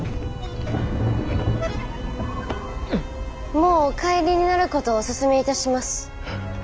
もうお帰りになることをお勧めいたします。